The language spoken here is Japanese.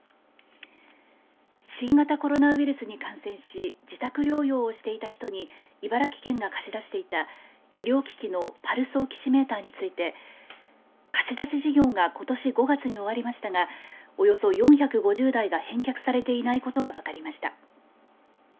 新型コロナウイルスに感染し自宅療養をしていた人に茨城県が貸し出していた医療機器のパルスオキシメーターについて貸し出し事業がことし５月に終わりましたがおよそ４５０台が返却されていないことが分かりました。